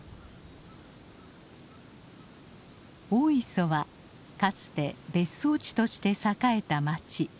大磯はかつて別荘地として栄えた町。